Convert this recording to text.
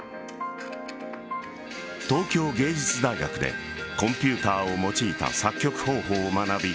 東京芸術大学でコンピューターを用いた作曲方法を学び